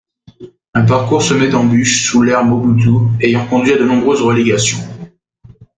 Un parcours semé d'embûches sous l'ère Mobutu, ayant conduit à de nombreuses relégations.